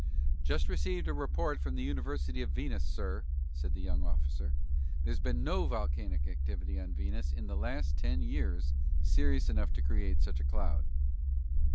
"Just received a report from the University of Venus, sir!" said the young officer. "There's been no volcanic activity on Venus in the last ten years serious enough to create such a cloud."